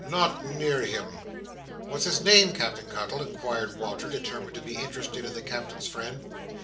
Not near him!" "What's his name, Captain Cuttle?" inquired Walter, determined to be interested in the Captain's friend.